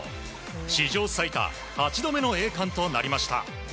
史上最多８度目の栄冠となりました。